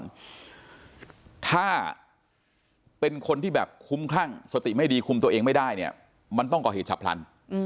ถ้าเป็นคนที่แบบคุ้มคลั่งสติไม่ดีคุมตัวเองไม่ได้เนี่ยมันต้องก่อเหตุฉับพลัน